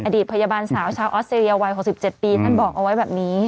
พยาบาลสาวชาวออสเตรเลียวัย๖๗ปีท่านบอกเอาไว้แบบนี้